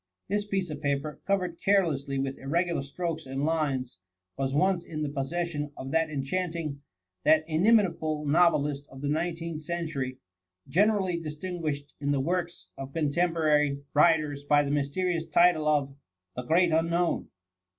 This piece of paper, covered carelesdy with irregular strokes and lines, was once in the possession of that enchanting, that inimitable novelist of the nineteenth century, generally distinguished in the works of contemporary THB MUMMY. 1S7 writers by the mysterious title of * The Great Unknown